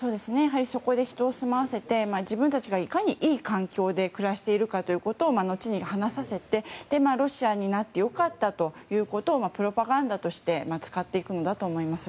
そこで人を住まわせて自分たちがいかにいい環境で暮らしているかということを後に話させてロシアになって良かったということをプロパガンダとして使っていくんだと思います。